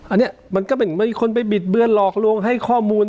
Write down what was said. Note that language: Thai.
อันนี้มันก็เป็นมีคนไปบิดเบือนหลอกลวงให้ข้อมูล